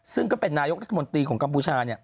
ซึ่งก็เป็นนายกรัฐมนตรีของกัมพูชา